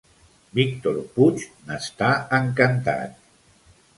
Víctor Puig n'està encantat.